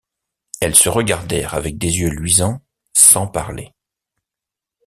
Elles se regardèrent avec des yeux luisants, sans parler.